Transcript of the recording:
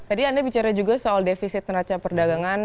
tadi anda bicara juga soal defisit neraca perdagangan